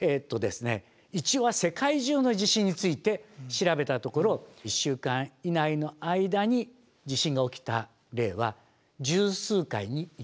一応世界中の地震について調べたところ１週間以内の間に地震が起きた例は十数回に１回です。